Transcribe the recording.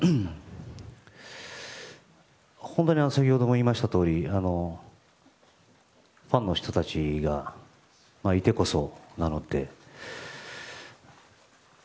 本当に先ほども言いましたがファンの人たちがいてこそなので。